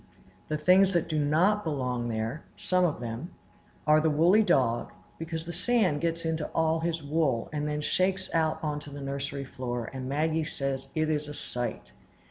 The things that do not belong there (some of them) are the woolly dog (because the sand gets all into his wool, and then shakes out on the nursery floor, and Maggie says it is a Sight!)